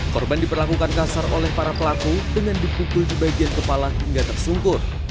korban diperlakukan kasar oleh para pelaku dengan dipukul di bagian kepala hingga tersungkur